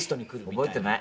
覚えてない。